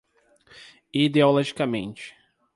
ideologicamente